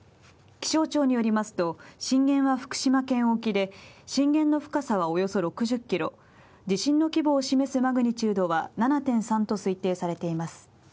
気象庁によりますと、震源は福島県沖で、震源の深さはおよそ６０キロ、地震の規模を示すマグニチュードは７．３と推定されています